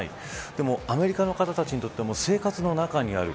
でも、アメリカの方たちにとっては生活の中にある。